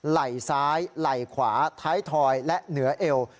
ไหล่ซ้ายไหล่ขวาท้ายทอยและเหนือเอว